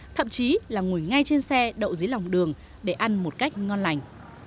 thậm chí là ngồi ngay trên xe đậu dưới lòng đường để ăn một cách ngon lành